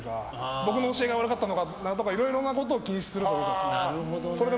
僕の教えが悪かったのかなとかいろいろなことを気にするというかですね。